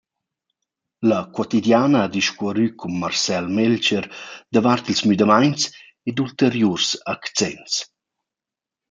La Quotidiana ha discuorrü cun Marcel Melcher davart ils müdamaints ed ulteriurs accents.